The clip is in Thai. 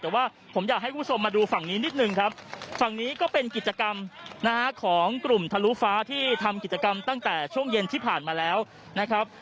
แต่ว่าผมอยากให้คุณผู้ชมมาดูฝั่งนี้นิดนึงครับฝั่งนี้ก็เป็นกิจกรรมนะฮะของกลุ่มทะลุฟ้าที่ทำกิจกรรมตั้งแต่ช่วงเย็นที่ผ่านมาแล้วนะครับ